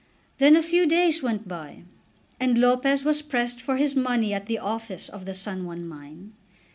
Then a few days went by, and Lopez was pressed for his money at the office of the San Juan mine.